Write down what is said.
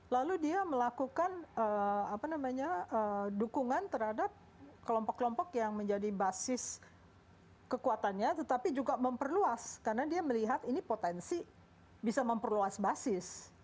lalu dia melakukan dukungan terhadap kelompok kelompok yang menjadi basis kekuatannya tetapi juga memperluas karena dia melihat ini potensi bisa memperluas basis